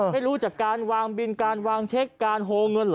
ไม่รู้จากการวางบินการวางเช็คการโฮเงินเหรอ